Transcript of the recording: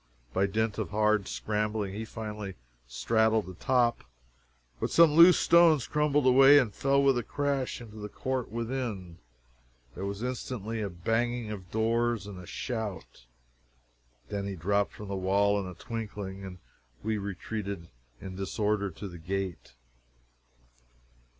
By dint of hard scrambling he finally straddled the top, but some loose stones crumbled away and fell with a crash into the court within. There was instantly a banging of doors and a shout. Denny dropped from the wall in a twinkling, and we retreated in disorder to the gate.